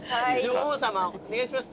女王様お願いします。